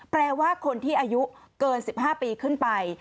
แปลว่าคนที่อายุเกิน๑๕ปีขึ้นไป